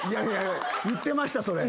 言ってましたそれ。